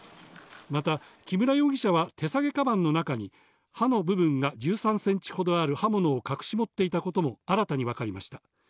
また、木村容疑者は手提げかばんの中に、刃の部分が１３センチほどある刃物を隠し持っていたことも新たに分かりました。